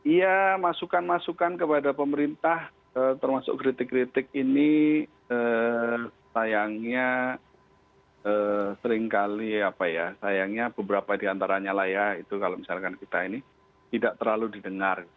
iya masukan masukan kepada pemerintah termasuk kritik kritik ini sayangnya seringkali apa ya sayangnya beberapa diantaranya lah ya itu kalau misalkan kita ini tidak terlalu didengar